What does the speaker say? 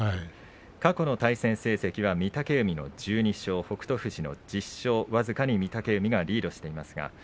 過去の対戦成績は御嶽海の１２勝北勝富士の１０勝僅かに御嶽海がリードしています。